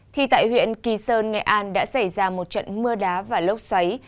thì tại huyện kỳ sơn nghệ an đã xảy ra một trận mưa đá và lốc xoáy